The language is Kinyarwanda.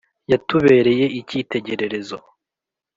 Yatubereye icy itegererezo.